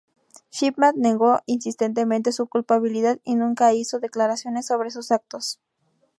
Shipman negó insistentemente su culpabilidad y nunca hizo declaraciones sobre sus actos.